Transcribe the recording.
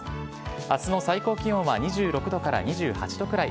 あすの最高気温は２６度から２８度ぐらい。